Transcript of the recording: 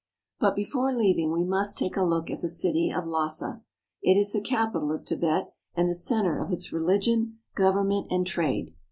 But before leaving we must take a look at the city of Lassa. It is the capital of Tibet, and the center of its religion, government, and trade.